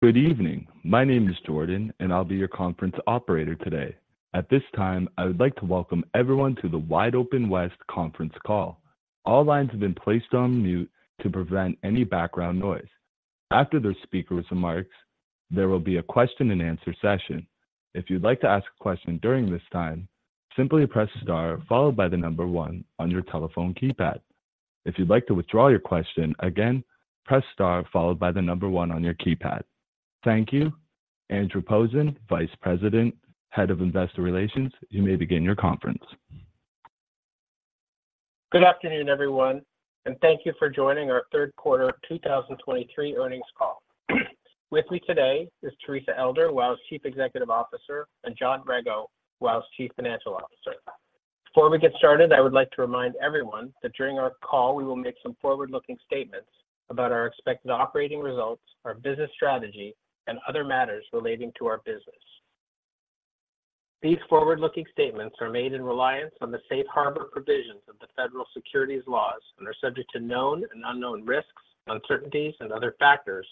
Good evening. My name is Jordan, and I'll be your conference operator today. At this time, I would like to welcome everyone to the WideOpenWest conference call. All lines have been placed on mute to prevent any background noise. After the speakers' remarks, there will be a question-and-answer session. If you'd like to ask a question during this time, simply press star followed by the number one on your telephone keypad. If you'd like to withdraw your question, again, press star followed by the number one on your keypad. Thank you. Andrew Posen, Vice President, Head of Investor Relations, you may begin your conference. Good afternoon, everyone, and thank you for joining our Q3 2023 earnings call. With me today is Teresa Elder, WOW!'s Chief Executive Officer, and John Rego, WOW!'s Chief Financial Officer. Before we get started, I would like to remind everyone that during our call, we will make some forward-looking statements about our expected operating results, our business strategy, and other matters relating to our business. These forward-looking statements are made in reliance on the safe harbor provisions of the Federal securities laws and are subject to known and unknown risks, uncertainties, and other factors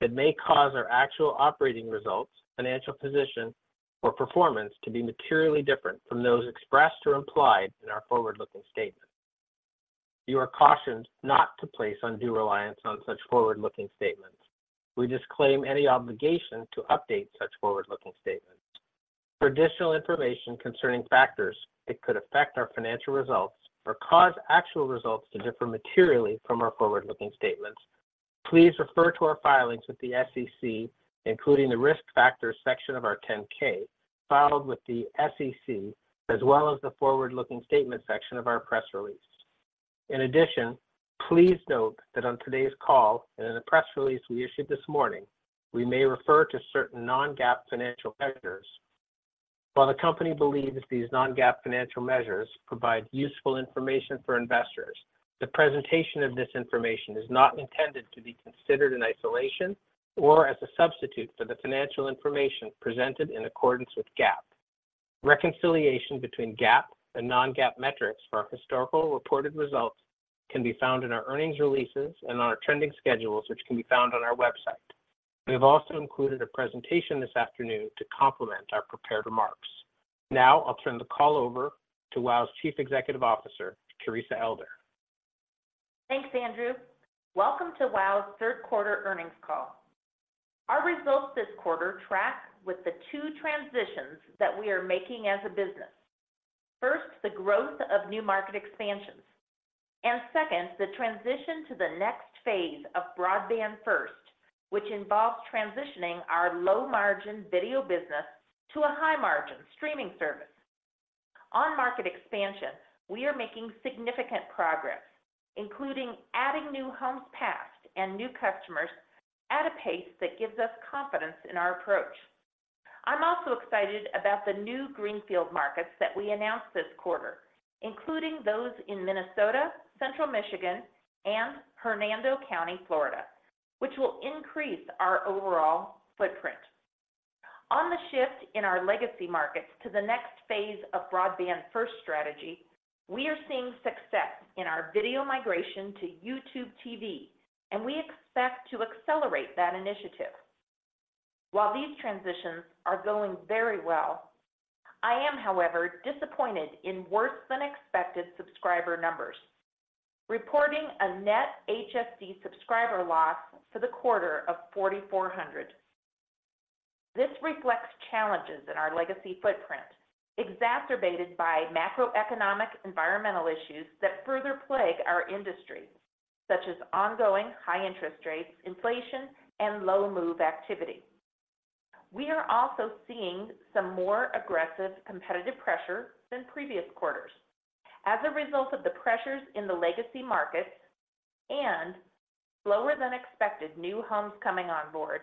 that may cause our actual operating results, financial position, or performance to be materially different from those expressed or implied in our forward-looking statements. You are cautioned not to place undue reliance on such forward-looking statements. We disclaim any obligation to update such forward-looking statements. For additional information concerning factors that could affect our financial results or cause actual results to differ materially from our forward-looking statements. Please refer to our filings with the SEC, including the Risk Factors section of our 10-K filed with the SEC, as well as the forward-looking statement section of our press release. In addition, please note that on today's call and in the press release we issued this morning, we may refer to certain non-GAAP financial factors. While the company believes these non-GAAP financial measures provide useful information for investors, the presentation of this information is not intended to be considered in isolation or as a substitute for the financial information presented in accordance with GAAP. Reconciliation between GAAP and non-GAAP metrics for our historical reported results can be found in our earnings releases and our trending schedules, which can be found on our website. We have also included a presentation this afternoon to complement our prepared remarks. Now, I'll turn the call over to WOW!'s Chief Executive Officer, Teresa Elder. Thanks, Andrew. Welcome to WOW!'s Q3 Earnings Call. Our results this quarter track with the two transitions that we are making as a business. First, the growth of new market expansions, and second, the transition to the next phase of Broadband First, which involves transitioning our low-margin video business to a high-margin streaming service. On market expansion, we are making significant progress, including adding new homes passed and new customers at a pace that gives us confidence in our approach. I'm also excited about the new Greenfield markets that we announced this quarter, including those in Minnesota, Central Michigan, and Hernando County, Florida, which will increase our overall footprint. On the shift in our legacy markets to the next phase of Broadband First strategy, we are seeing success in our video migration to YouTube TV, and we expect to accelerate that initiative. While these transitions are going very well, I am, however, disappointed in worse than expected subscriber numbers, reporting a net HSD subscriber loss for the quarter of 4,400. This reflects challenges in our legacy footprint, exacerbated by macroeconomic environmental issues that further plague our industry, such as ongoing high interest rates, inflation, and low move activity. We are also seeing some more aggressive competitive pressure than previous quarters. As a result of the pressures in the legacy markets and slower than expected new homes coming on board,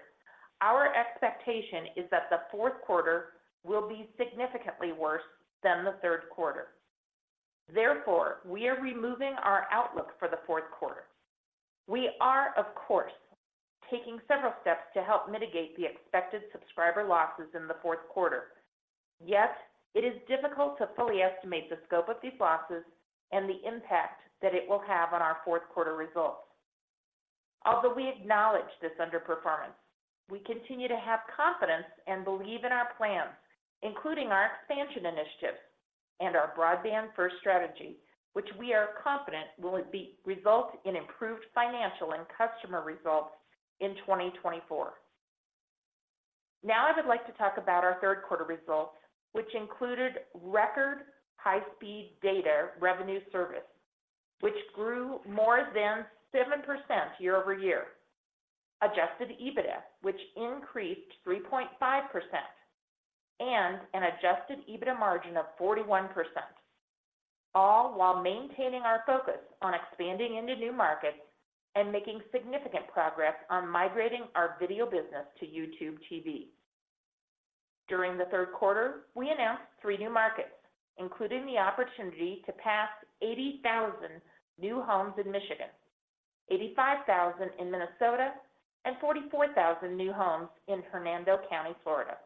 our expectation is that the Q4 will be significantly worse than the Q3. Therefore, we are removing our outlook for the Q4. We are, of course, taking several steps to help mitigate the expected subscriber losses in the Q4. Yet, it is difficult to fully estimate the scope of these losses and the impact that it will have on our Q4 results. Although we acknowledge this underperformance, we continue to have confidence and believe in our plans, including our expansion initiatives and our Broadband First strategy, which we are confident will result in improved financial and customer results in 2024. Now, I would like to talk about our Q3 results, which included record high-speed data revenue service, which grew more than 7% year-over-year, adjusted EBITDA, which increased 3.5%, and an adjusted EBITDA margin of 41%, all while maintaining our focus on expanding into new markets and making significant progress on migrating our video business to YouTube TV. During the Q3, we announced three new markets, including the opportunity to pass 80,000 new homes in Michigan, 85,000 in Minnesota, and 44,000 new homes in Hernando County, Florida.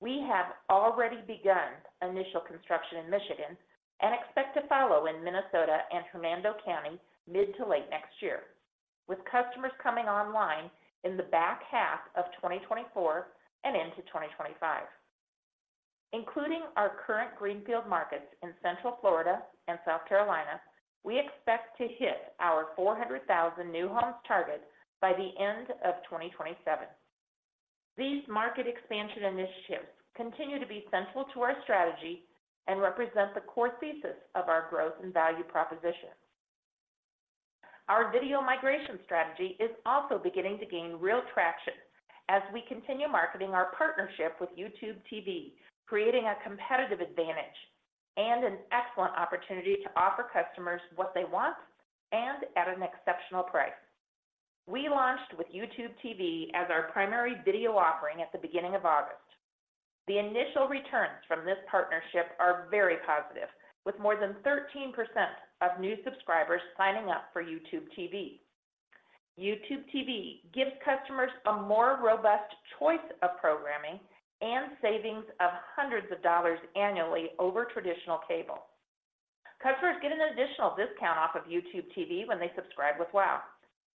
We have already begun initial construction in Michigan and expect to follow in Minnesota and Hernando County mid to late next year, with customers coming online in the back half of 2024 and into 2025. Including our current Greenfield markets in Central Florida and South Carolina, we expect to hit our 400,000 new homes target by the end of 2027. These market expansion initiatives continue to be central to our strategy and represent the core thesis of our growth and value proposition. Our Video Migration strategy is also beginning to gain real traction as we continue marketing our partnership with YouTube TV, creating a competitive advantage and an excellent opportunity to offer customers what they want and at an exceptional price. We launched with YouTube TV as our primary video offering at the beginning of August. The initial returns from this partnership are very positive, with more than 13% of new subscribers signing up for YouTube TV. YouTube TV gives customers a more robust choice of programming and savings of hundreds of dollars annually over traditional cable. Customers get an additional discount off of YouTube TV when they subscribe with WOW!.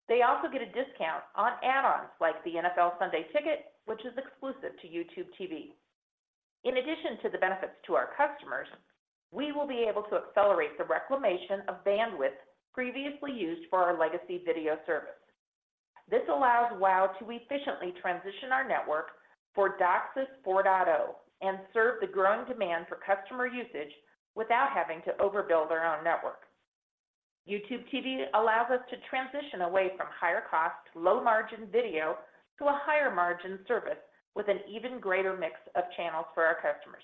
They also get a discount on add-ons like the NFL Sunday Ticket, which is exclusive to YouTube TV. In addition to the benefits to our customers, we will be able to accelerate the reclamation of bandwidth previously used for our legacy video service. This allows WOW! to efficiently transition our network for DOCSIS 4.0, and serve the growing demand for customer usage without having to overbuild our own network. YouTube TV allows us to transition away from higher cost, low margin video to a higher margin service with an even greater mix of channels for our customers.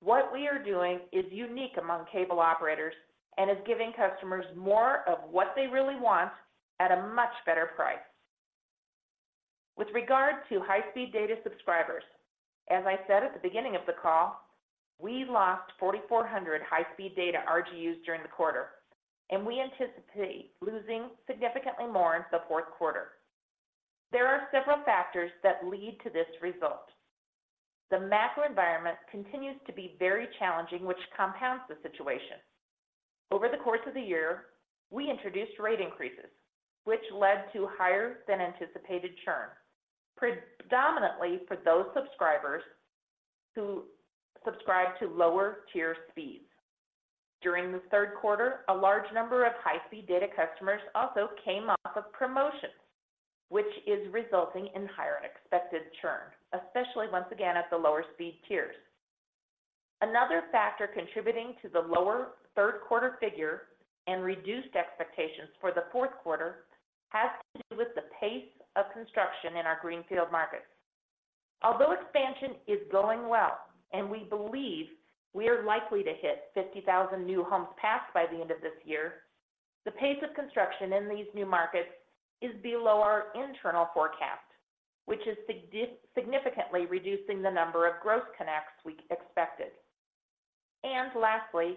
What we are doing is unique among cable operators and is giving customers more of what they really want at a much better price. With regard to high-speed data subscribers, as I said at the beginning of the call, we lost 4,400 high-speed data RGUs during the quarter, and we anticipate losing significantly more in the Q4. There are several factors that lead to this result. The macro environment continues to be very challenging, which compounds the situation. Over the course of the year, we introduced rate increases, which led to higher than anticipated churn, predominantly for those subscribers who subscribe to lower tier speeds. During the Q3, a large number of high-speed data customers also came off of promotions, which is resulting in higher expected churn, especially once again at the lower speed tiers. Another factor contributing to the lower Q3 figure and reduced expectations for the Q4 has been with the pace of construction in our Greenfield markets. Although expansion is going well and we believe we are likely to hit 50,000 new homes passed by the end of this year, the pace of construction in these new markets is below our internal forecast, which is significantly reducing the number of gross connects we expected. Lastly,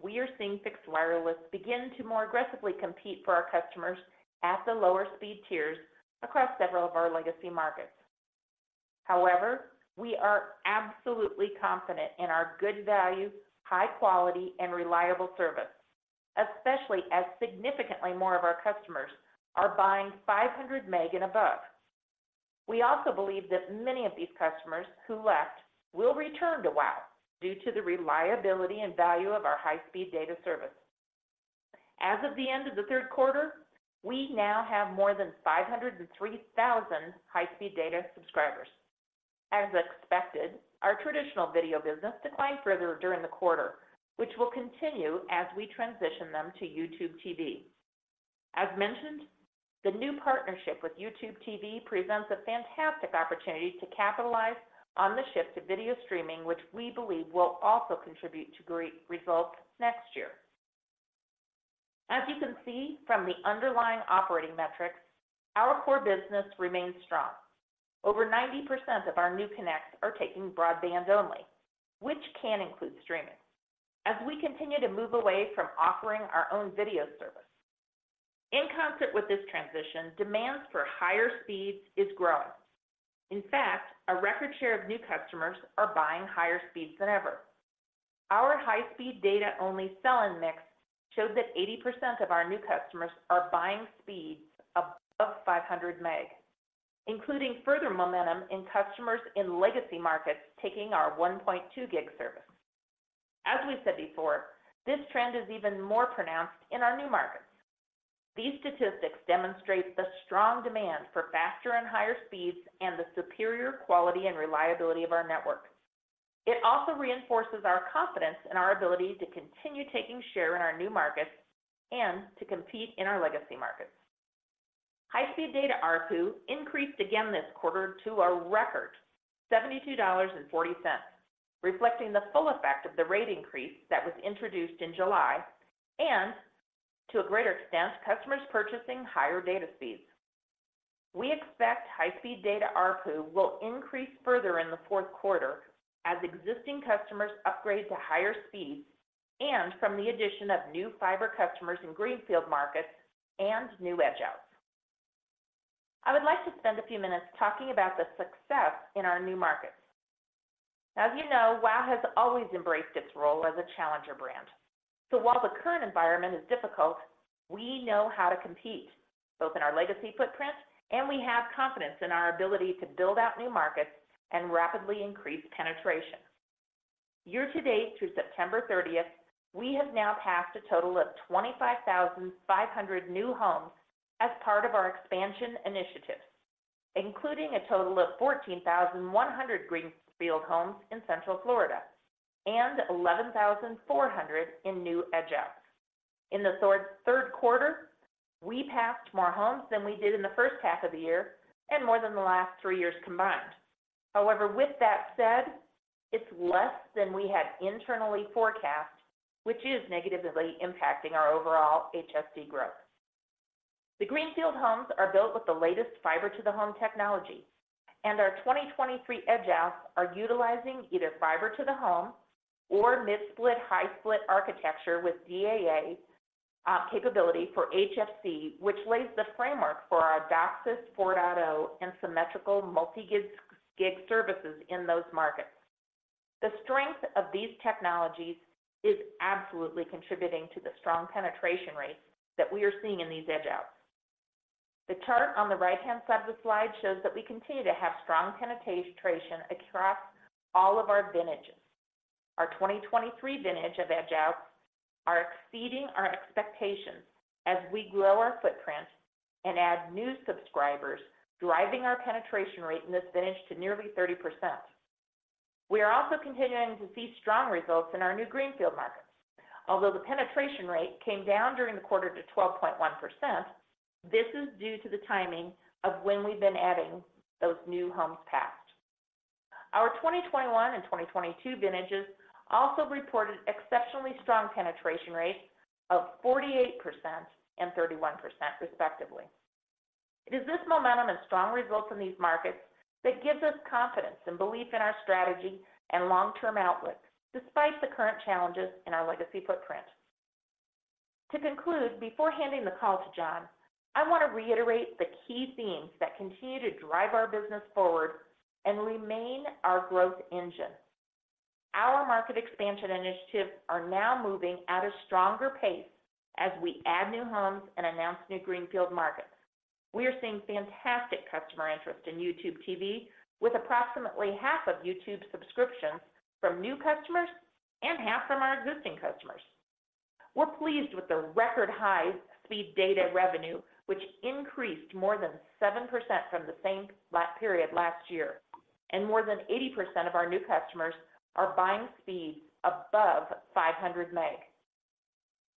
we are seeing fixed wireless begin to more aggressively compete for our customers at the lower speed tiers across several of our legacy markets. However, we are absolutely confident in our good value, high quality, and reliable service, especially as significantly more of our customers are buying 500 meg and above. We also believe that many of these customers who left will return to WOW! due to the reliability and value of our high-speed data service. As of the end of the Q3, we now have more than 503,000 high-speed data subscribers. As expected, our traditional video business declined further during the quarter, which will continue as we transition them to YouTube TV. As mentioned, the new partnership with YouTube TV presents a fantastic opportunity to capitalize on the shift to video streaming, which we believe will also contribute to great results next year. As you can see from the underlying operating metrics, our core business remains strong. Over 90% of our new connects are taking broadband only, which can include streaming as we continue to move away from offering our own video service. In concert with this transition, demands for higher speeds is growing. In fact, a record share of new customers are buying higher speeds than ever. Our high-speed data only sell-in mix shows that 80% of our new customers are buying speeds above 500 Mbps, including further momentum in customers in legacy markets taking our 1.2 Gbps service. As we said before, this trend is even more pronounced in our new markets. These statistics demonstrate the strong demand for faster and higher speeds and the superior quality and reliability of our network. It also reinforces our confidence in our ability to continue taking share in our new markets and to compete in our legacy markets. High-speed data ARPU increased again this quarter to a record $72.40, reflecting the full effect of the rate increase that was introduced in July and to a greater extent, customers purchasing higher data speeds. We expect high-speed data ARPU will increase further in the Q4 as existing customers upgrade to higher speeds and from the addition of new fiber customers in Greenfield markets and new Edge-Outs. I would like to spend a few minutes talking about the success in our new markets. As you know, WOW! has always embraced its role as a challenger brand. So, while the current environment is difficult, we know how to compete, both in our legacy footprint, and we have confidence in our ability to build out new markets and rapidly increase penetration. Year to date, through September 30, we have now passed a total of 25,500 new homes as part of our expansion initiatives, including a total of 14,100 Greenfield homes in Central Florida and 11,400 in new Edge-Outs. In the Q3, we passed more homes than we did in the first half of the year and more than the last three years combined. However, with that said, it's less than we had internally forecast, which is negatively impacting our overall HSD growth. The Greenfield homes are built with the latest fiber to the home technology, and our 2023 Edge-Outs are utilizing either fiber to the home or mid-split, high-split architecture with DAA capability for HFC, which lays the framework for our DOCSIS 4.0 and symmetrical multi-gig, gig services in those markets. The strength of these technologies is absolutely contributing to the strong penetration rates that we are seeing in these Edge-Outs. The chart on the right-hand side of the slide shows that we continue to have strong penetration across all of our vintages. Our 2023 vintage of Edge-Outs are exceeding our expectations as we grow our footprint and add new subscribers, driving our penetration rate in this vintage to nearly 30%. We are also continuing to see strong results in our new Greenfield markets. Although the penetration rate came down during the quarter to 12.1%, this is due to the timing of when we've been adding those new homes passed. Our 2021 and 2022 vintages also reported exceptionally strong penetration rates of 48% and 31%, respectively. It is this momentum and strong results in these markets that gives us confidence and belief in our strategy and long-term outlook, despite the current challenges in our legacy footprint. To conclude, before handing the call to John, I want to reiterate the key themes that continue to drive our business forward and remain our growth engine. Our market expansion initiatives are now moving at a stronger pace as we add new homes and announce new Greenfield markets. We are seeing fantastic customer interest in YouTube TV, with approximately half of YouTube subscriptions from new customers and half from our existing customers. We're pleased with the record high-speed data revenue, which increased more than 7% from the same last period last year, and more than 80% of our new customers are buying speeds above 500 meg.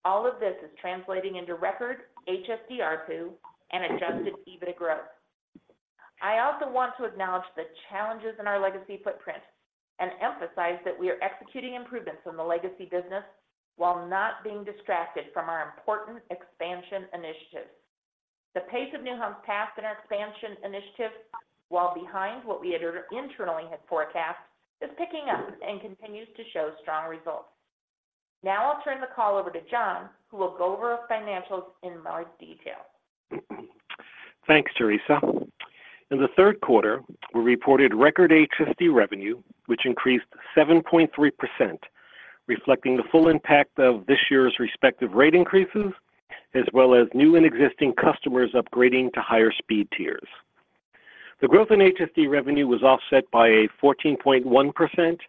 All of this is translating into record HSD ARPU and adjusted EBITDA growth. I also want to acknowledge the challenges in our legacy footprint and emphasize that we are executing improvements in the legacy business while not being distracted from our important expansion initiatives. The pace of new homes passed in our expansion initiative, while behind what we had internally forecast, is picking up and continues to show strong results. Now I'll turn the call over to John, who will go over our financials in more detail. Thanks, Teresa. In the Q3, we reported record HSD revenue, which increased 7.3%, reflecting the full impact of this year's respective rate increases, as well as new and existing customers upgrading to higher speed tiers. The growth in HSD revenue was offset by a 14.1%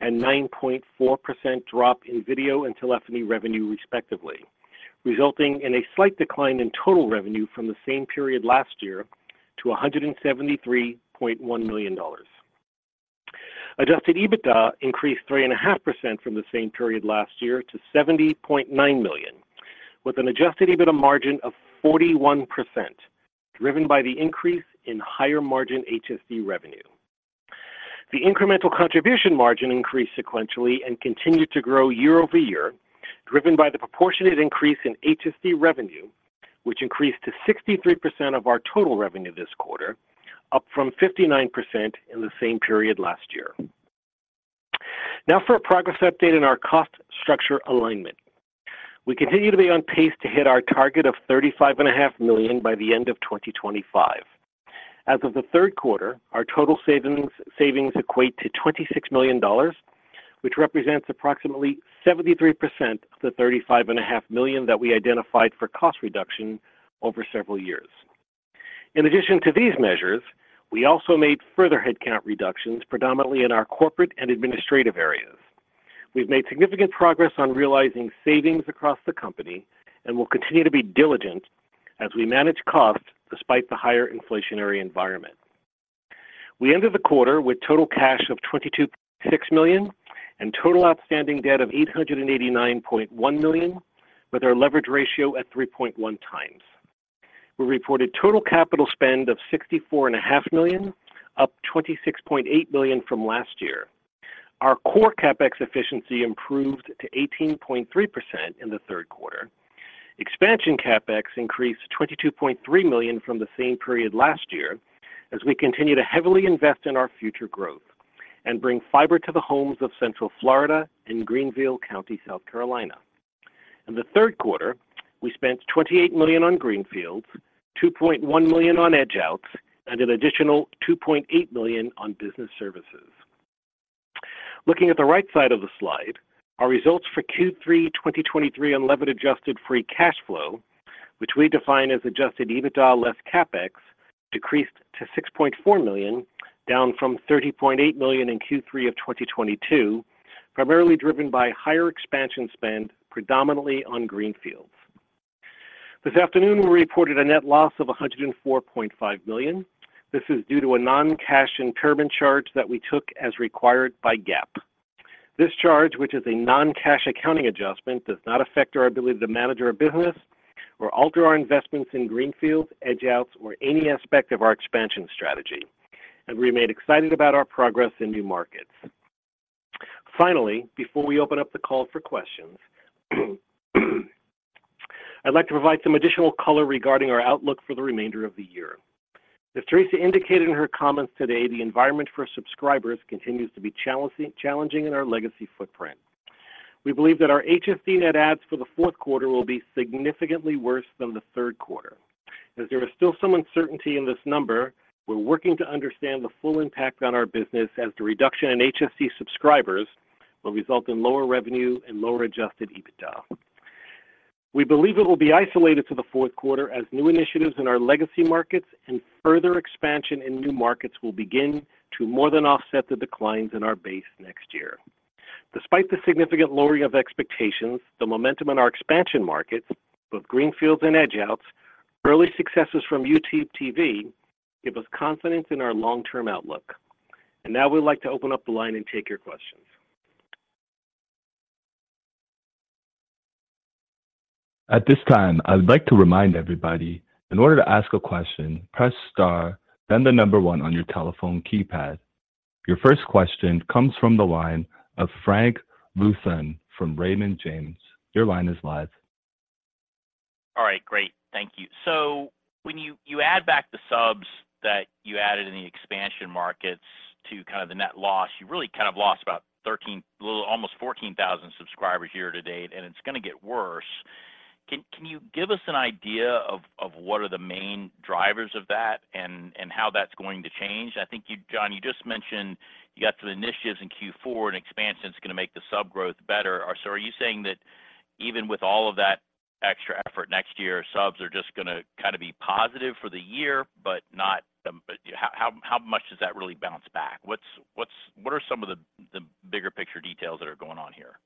and 9.4% drop in video and telephony revenue, respectively, resulting in a slight decline in total revenue from the same period last year to $173.1 million. Adjusted EBITDA increased 3.5% from the same period last year to $70.9 million, with an adjusted EBITDA margin of 41%, driven by the increase in higher-margin HSD revenue. The incremental contribution margin increased sequentially and continued to grow year-over-year, driven by the proportionate increase in HSD revenue, which increased to 63% of our total revenue this quarter, up from 59% in the same period last year. Now for a progress update in our cost structure alignment. We continue to be on pace to hit our target of $35.5 million by the end of 2025. As of the Q3, our total savings equate to $26 million, which represents approximately 73% of the $35.5 million that we identified for cost reduction over several years. In addition to these measures, we also made further headcount reductions, predominantly in our corporate and administrative areas. We've made significant progress on realizing savings across the company and will continue to be diligent as we manage costs despite the higher inflationary environment. We ended the quarter with total cash of $22.6 million and total outstanding debt of $889.1 million, with our leverage ratio at 3.1x. We reported total capital spend of $64.5 million, up $26.8 million from last year. Our core CapEx efficiency improved to 18.3% in the Q3. Expansion CapEx increased $22.3 million from the same period last year, as we continue to heavily invest in our future growth and bring fiber to the homes of Central Florida and Greenville County, South Carolina. In the Q3, we spent $28 million on Greenfields, $2.1 million on Edge-Outs, and an additional $2.8 million on business services. Looking at the right side of the slide, our results for Q3 2023 unlevered adjusted free cash flow, which we define as adjusted EBITDA less CapEx, decreased to $6.4 million, down from $30.8 million in Q3 of 2022, primarily driven by higher expansion spend, predominantly on Greenfields. This afternoon, we reported a net loss of $104.5 million. This is due to a non-cash impairment charge that we took as required by GAAP. This charge, which is a non-cash accounting adjustment, does not affect our ability to manage our business or alter our investments in Greenfields, Edge-Outs, or any aspect of our expansion strategy. And we remain excited about our progress in new markets. Finally, before we open up the call for questions, I'd like to provide some additional color regarding our outlook for the remainder of the year. As Teresa indicated in her comments today, the environment for subscribers continues to be challenging, challenging in our legacy footprint. We believe that our HFC net adds for the Q4 will be significantly worse than the Q3. As there is still some uncertainty in this number, we're working to understand the full impact on our business, as the reduction in HFC subscribers will result in lower revenue and lower adjusted EBITDA. We believe it will be isolated to the Q4 as new initiatives in our legacy markets and further expansion in new markets will begin to more than offset the declines in our base next year. Despite the significant lowering of expectations, the momentum in our expansion markets, both Greenfields and Edge-Outs, early successes from YouTube TV, give us confidence in our long-term outlook. And now we'd like to open up the line and take your questions. At this time, I'd like to remind everybody, in order to ask a question, press star, then the number one on your telephone keypad. Your first question comes from the line of Frank Louthan from Raymond James. Your line is live. All right, great. Thank you. So when you, you add back the subs that you added in the expansion markets to kind of the net loss, you really kind of lost about 13—little almost 14,000 subscribers year-to-date, and it's going to get worse. Can, can you give us an idea of, of what are the main drivers of that and, and how that's going to change? I think you, John, you just mentioned you got some initiatives in Q4 and expansion is going to make the sub growth better. So are you saying that even with all of that extra effort next year, subs are just going to kind of be positive for the year, but not the-- how, how, how much does that really bounce back? What's, what's—what are some of the, the bigger picture details that are going on here?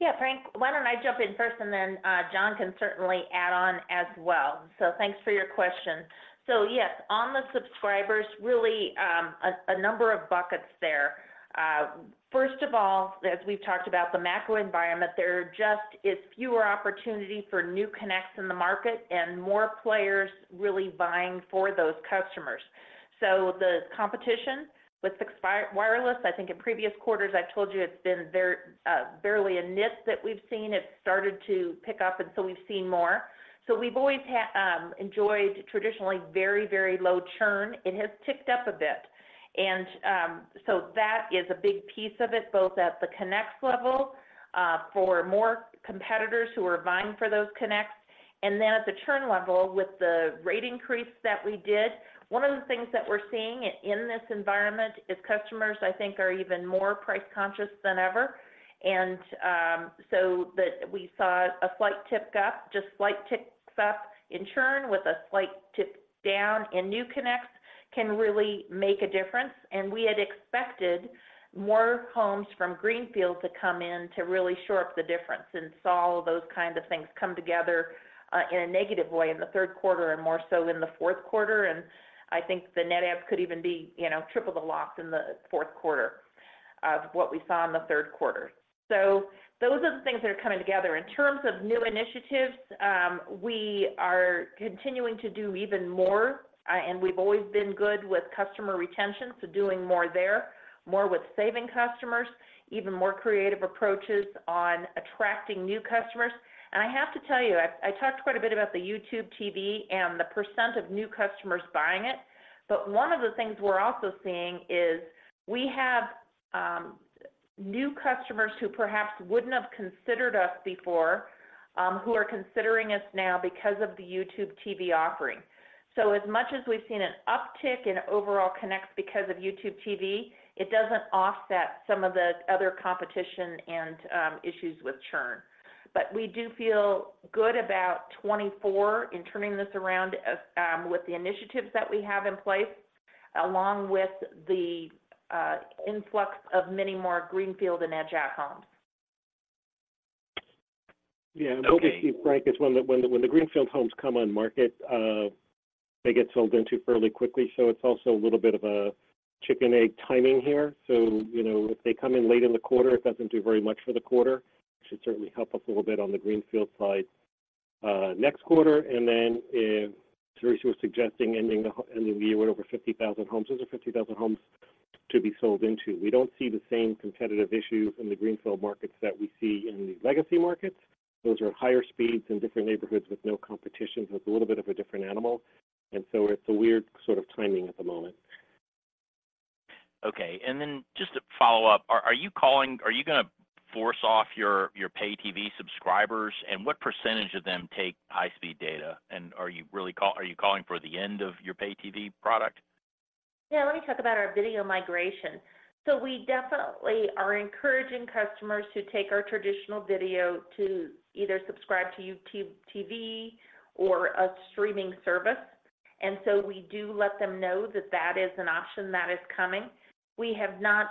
Yeah, Frank, why don't I jump in first, and then, John can certainly add on as well. So, thanks for your question. So yes, on the subscribers, really, a number of buckets there. First of all, as we've talked about the macro environment, there just is fewer opportunity for new connects in the market and more players really vying for those customers. So the competition with fixed wireless, I think in previous quarters, I've told you it's been there, barely a nip that we've seen. It started to pick up, and so we've seen more. So, we've always had, enjoyed traditionally very, very low churn. It has ticked up a bit. And so that is a big piece of it, both at the connects level, for more competitors who are vying for those connects, and then at the churn level with the rate increase that we did. One of the things that we're seeing in this environment is customers, I think, are even more price conscious than ever. And so that we saw a slight uptick, just slight upticks in churn with a slight dip in new connects can really make a difference. And we had expected more homes from Greenfield to come in to really shore up the difference and saw those kinds of things come together, in a negative way in the Q3 and more so in the Q4. I think the net adds could even be, you know, triple the loss in the Q4 of what we saw in the Q3. Those are the things that are coming together. In terms of new initiatives, we are continuing to do even more, and we've always been good with customer retention, so doing more there, more with saving customers, even more creative approaches on attracting new customers. And I have to tell you, I, I talked quite a bit about the YouTube TV and the percent of new customers buying it, but one of the things we're also seeing is we have new customers who perhaps wouldn't have considered us before, who are considering us now because of the YouTube TV offering. So as much as we've seen an uptick in overall connects because of YouTube TV, it doesn't offset some of the other competition and issues with churn. But we do feel good about 2024 in turning this around with the initiatives that we have in place, along with the influx of many more Greenfield and Edge-Out homes. Yeah. And we'll see, Frank, when the Greenfield homes come on market, they get sold into fairly quickly. So it's also a little bit of a chicken egg timing here. So, you know, if they come in late in the quarter, it doesn't do very much for the quarter. It should certainly help us a little bit on the Greenfield side, next quarter. And then if Teresa was suggesting ending the year with over 50,000 homes, those are 50,000 homes to be sold into. We don't see the same competitive issues in the Greenfield markets that we see in the legacy markets. Those are higher speeds in different neighborhoods with no competition, so it's a little bit of a different animal. And so it's a weird sort of timing at the moment. Okay, and then just to follow up, are you going to force off your pay TV subscribers? And what percentage of them take high-speed data? And are you really calling for the end of your pay TV product? Yeah, let me talk about our video migration. So we definitely are encouraging customers who take our traditional video to either subscribe to YouTube TV or a streaming service. And so we do let them know that that is an option that is coming. We have not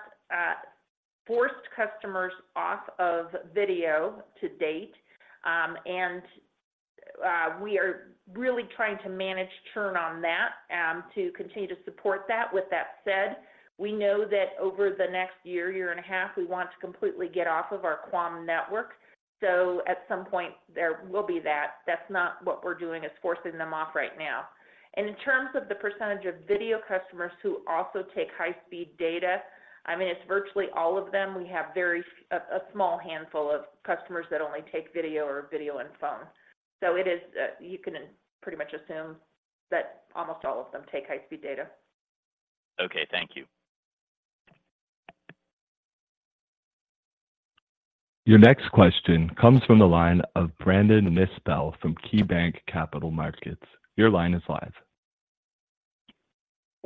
forced customers off of video to date, and we are really trying to manage churn on that to continue to support that. With that said, we know that over the next year, year and a half, we want to completely get off of our QAM network. So, at some point, there will be that. That's not what we're doing, is forcing them off right now. And in terms of the percentage of video customers who also take high-speed data, I mean, it's virtually all of them. We have a very small handful of customers that only take video or video and phone. So it is, you can pretty much assume that almost all of them take high-speed data. Okay, thank you. Your next question comes from the line of Brandon Nispel from KeyBanc Capital Markets. Your line is live.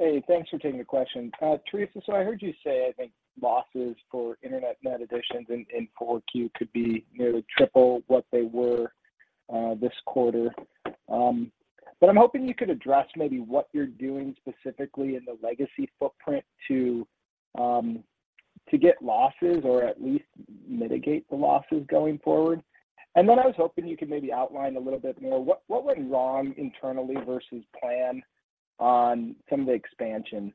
Hey, thanks for taking the question. Teresa, so I heard you say, I think, losses for internet net additions in Q4 could be nearly triple what they were this quarter. But I'm hoping you could address maybe what you're doing specifically in the legacy footprint to get losses or at least mitigate the losses going forward. And then I was hoping you could maybe outline a little bit more, what went wrong internally versus plan on some of the expansion?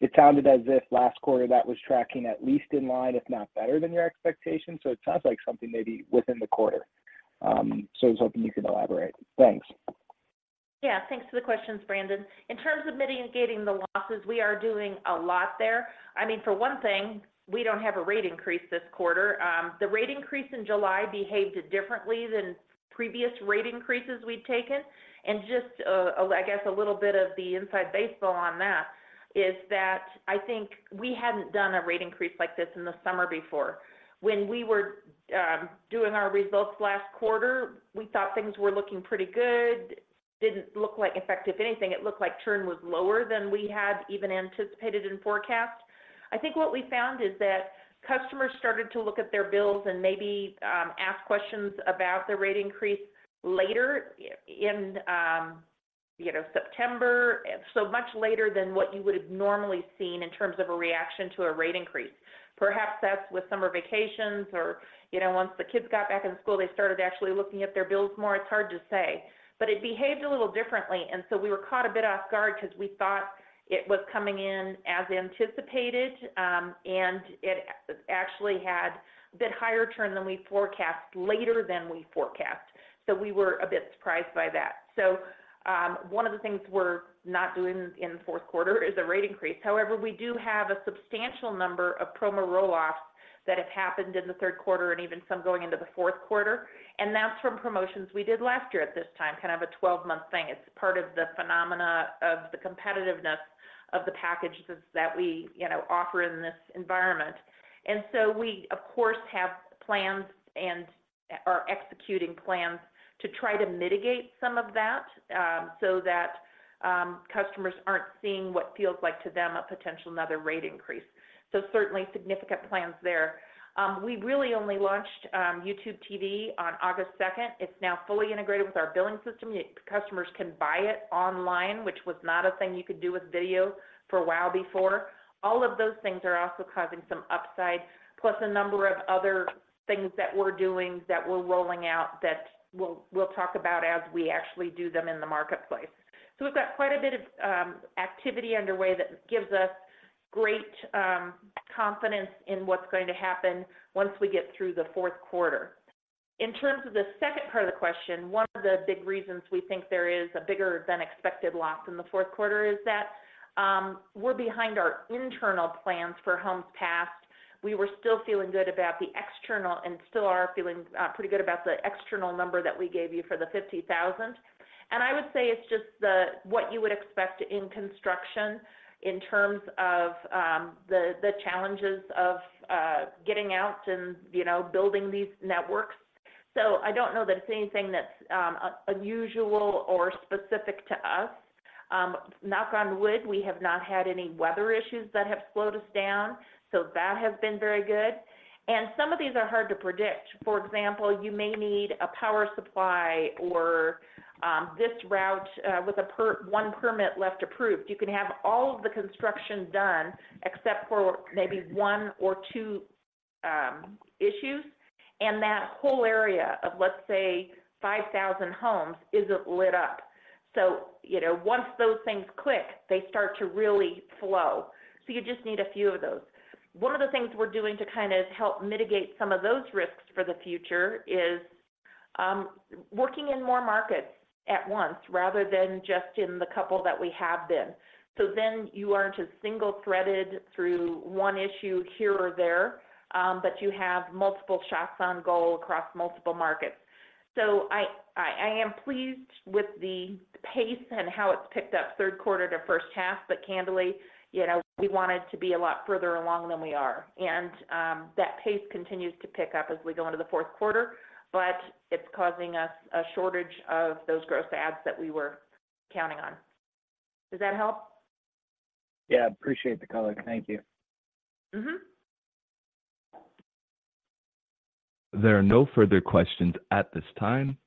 It sounded as if last quarter that was tracking at least in line, if not better than your expectations. So, it sounds like something maybe within the quarter. So, I was hoping you could elaborate. Thanks. Yeah, thanks for the questions, Brandon. In terms of mitigating the losses, we are doing a lot there. I mean, for one thing, we don't have a rate increase this quarter. The rate increase in July behaved differently than previous rate increases we've taken. And just, I guess, a little bit of the inside baseball on that, is that I think we hadn't done a rate increase like this in the summer before. When we were doing our results last quarter, we thought things were looking pretty good. Didn't look like—in fact, if anything, it looked like churn was lower than we had even anticipated in forecast. I think what we found is that customers started to look at their bills and maybe ask questions about the rate increase later in, you know, September, so much later than what you would have normally seen in terms of a reaction to a rate increase. Perhaps that's with summer vacations or, you know, once the kids got back in school, they started actually looking at their bills more. It's hard to say, but it behaved a little differently, and so we were caught a bit off guard because we thought it was coming in as anticipated, and it actually had a bit higher churn than we forecast, later than we forecast. So we were a bit surprised by that. So, one of the things we're not doing in the Q4 is a rate increase. However, we do have a substantial number of promo roll-offs that have happened in the Q3 and even some going into the Q4, and that's from promotions we did last year at this time, kind of a 12-month thing. It's part of the phenomena of the competitiveness of the packages that we, you know, offer in this environment. And so we, of course, have plans and are executing plans to try to mitigate some of that, so that customers aren't seeing what feels like to them, a potential another rate increase. So certainly significant plans there. We really only launched YouTube TV on August 2nd. It's now fully integrated with our billing system. Customers can buy it online, which was not a thing you could do with video for a while before. All of those things are also causing some upside, plus a number of other things that we're doing that we're rolling out that we'll talk about as we actually do them in the marketplace. So we've got quite a bit of activity underway that gives us great confidence in what's going to happen once we get through the Q4. In terms of the second part of the question, one of the big reasons we think there is a bigger than expected loss in the Q4 is that we're behind our internal plans for homes passed. We were still feeling good about the external and still are feeling pretty good about the external number that we gave you for the 50,000. I would say it's just what you would expect in construction in terms of the challenges of getting out and, you know, building these networks. So I don't know that it's anything that's unusual or specific to us. Knock on wood, we have not had any weather issues that have slowed us down, so that has been very good. Some of these are hard to predict. For example, you may need a power supply or this route with one permit left approved. You can have all of the construction done, except for maybe one or two issues, and that whole area of, let's say, 5,000 homes, isn't lit up. So you know, once those things click, they start to really flow. So you just need a few of those. One of the things we're doing to kind of help mitigate some of those risks for the future is working in more markets at once rather than just in the couple that we have been. So, then you aren't as single-threaded through one issue here or there, but you have multiple shots on goal across multiple markets. So, I am pleased with the pace and how it's picked up Q3 to first half, but candidly, you know, we wanted to be a lot further along than we are. And that pace continues to pick up as we go into the Q4, but it's causing us a shortage of those gross ads that we were counting on. Does that help? Yeah. I appreciate the color. Thank you. There are no further questions at this time.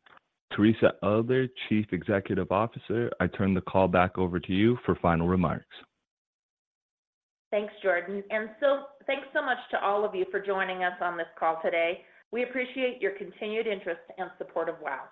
Teresa Elder, Chief Executive Officer. I turn the call back over to you for final remarks. Thanks, Jordan. Thanks so much to all of you for joining us on this call today. We appreciate your continued interest and support of WOW!.